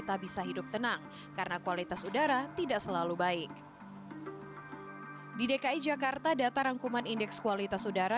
tapi itu mencerminkan betapa seriusnya ancaman ini ya